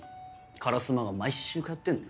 烏丸が毎週通ってんのよ。